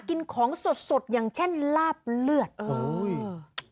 กินของสดสดอย่างเช่นลาบเลือดเออ